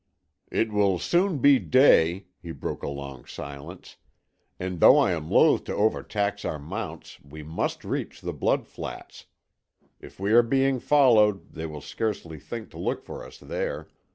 "It will soon be day," he broke a long silence, "and though I am loth to overtax our mounts, we must reach the Blood Flats. If we are being followed, they will scarcely think to look for us there.